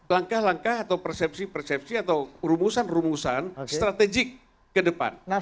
langkah langkah atau persepsi persepsi atau rumusan rumusan strategik ke depan